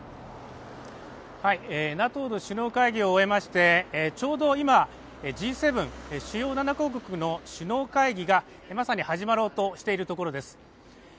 ＮＡＴＯの首脳会議を終えましてちょうど今、Ｇ７＝主要７か国の首脳会議がまさに始まろうとしているところです。